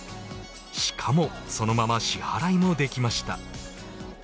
しかも、そのまま支払いもできました。